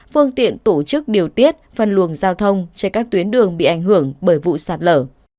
phương tiện tổ chức điều tiết phân luồng giao thông trên các tuyến đường bị ảnh hưởng bởi vụ sạt lở